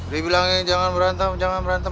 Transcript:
dibilang jangan merantem jangan merantem